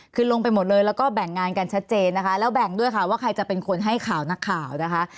คือลงไปหมดเลยแล้วก็แบ่งงานกันชัดเจนนะคะแล้วแบ่งด้วยค่ะว่าใครจะเป็นคนให้ข่าวนักข่าวนะคะ